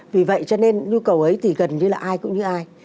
vì vậy cho nên nhu cầu ấy thì gần như là ai cũng như ai